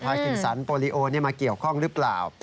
ภายกินสรรค์โปรลีโอนี่มาเกี่ยวข้องหรือเปล่า